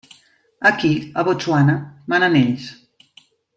Aquí, a Botswana, manen ells.